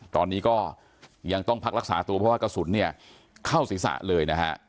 ตอนนี้ก็ยังต้องพักรักษาตัวเพราะว่ากระสุนเนี่ยเข้าศีรษะเลยนะฮะ